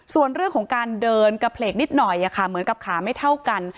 ส่วนเรื่องของการเดินกระเพลกนิดหน่อยเหมือนกับขาไม่เท่ากัน